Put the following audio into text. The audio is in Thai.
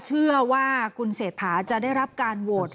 เชื่อว่าคุณเศรษฐาจะได้รับการโหวต